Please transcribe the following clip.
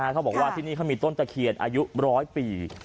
เขาบอกว่าที่นี่เขามีต้นตะเคียนอายุร้อยปี